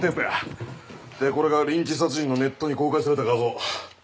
でこれがリンチ殺人のネットに公開された画像。